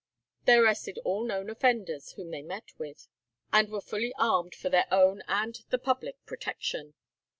They arrested all known offenders whom they met with, and were fully armed for their own and the public protection.